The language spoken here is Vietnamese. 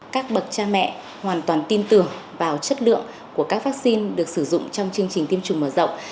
các bậc cha mẹ hoàn toàn tin tưởng vào chất lượng của các vaccine được sử dụng trong chương trình tiêm chủng mở rộng